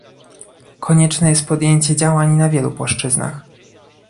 Konieczne jest podjęcie działań na wielu płaszczyznach